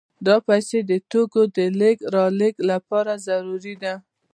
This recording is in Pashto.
دا پیسې د توکو د لېږد رالېږد لپاره ضروري دي